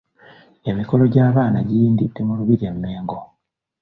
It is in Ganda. Emikolo gy'abaana giyindidde mu lubiri e Mengo.